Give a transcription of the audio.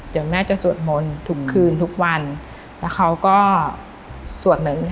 เดี๋ยวแม่จะสวดมนต์ทุกคืนทุกวันแล้วเขาก็สวดเหมือน